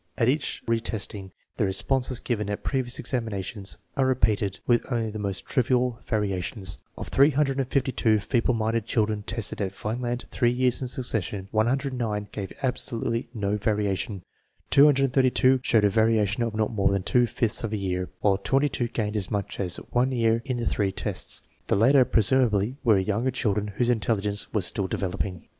At each re testing the responses given at previous examinations are repeated with only the most trivial variations. Of 35 feeble minded children tested at Vineland, three years in succession, 109 gave absolutely no variation, 3 showed a variation of not more than two fifths of a year, while RELIABILITY OF THE METHOD 113 gained as much as one year in the three tests. The latter, presumably, were younger children whose intelligence was still developing.